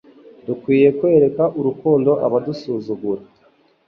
Dukwiye kwereka urukundo abadusuzugura